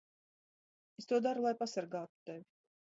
Es to daru, lai pasargātu tevi.